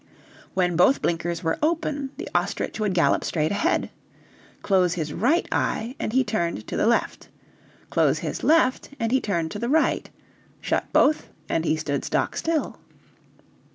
When both blinkers were open, the ostrich would gallop straight ahead; close his right eye and he turned to the left, close his left and he turned to the right, shut both and he stood stock still.